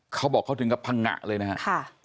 เขาบอกเขาถึงกับพังงะเลยนะครับ